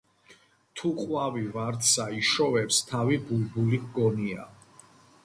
თუ ყვავი ვარდსა იშოვებს თავი ბულბული ჰგონია.